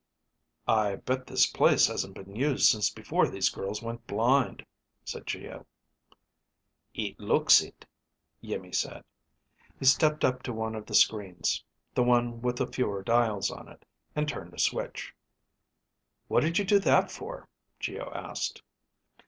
"I bet this place hasn't been used since before these girls went blind," said Geo. "It looks it," Iimmi said. He stepped up to one of the screens, the one with the fewer dials on it, and turned a switch. "What did you do that for?" Geo asked.